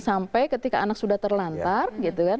sampai ketika anak sudah terlantar gitu kan